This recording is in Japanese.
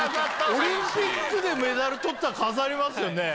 オリンピックでメダル取ったら飾りますよね。